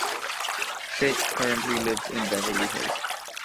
Shake currently lives in Beverly Hills.